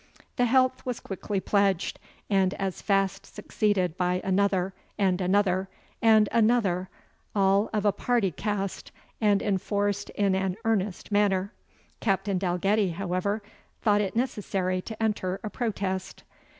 The health was quickly pledged, and as fast succeeded by another, and another, and another, all of a party cast, and enforced in an earnest manner. Captain Dalgetty, however, thought it necessary to enter a protest.